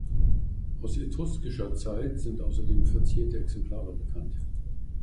Aus etruskischer Zeit sind außerdem verzierte Exemplare bekannt.